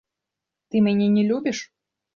Ты мяне не любіш?